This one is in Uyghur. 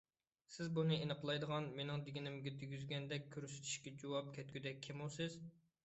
سىز بۇنى ئېنىقلايدىغان، مېنىڭ دېمىگىنىمنى دېگۈزگەندەك كۆرسىتىشكە جۇۋاپ كەتكۈدەك كىمۇ سىز؟